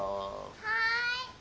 ・はい。